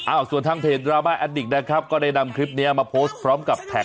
ส่วนทางเพจดราม่าแอดดิกนะครับก็ได้นำคลิปนี้มาโพสต์พร้อมกับแท็ก